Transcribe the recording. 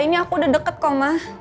ini aku udah deket kok ma